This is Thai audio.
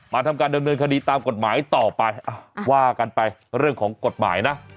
ทำการดำเนินคดีตามกฎหมายต่อไปว่ากันไปเรื่องของกฎหมายนะ